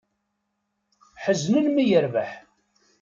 Ḥeznen mi yerbeḥ.